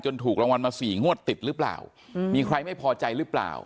ถูกรางวัลมาสี่งวดติดหรือเปล่ามีใครไม่พอใจหรือเปล่า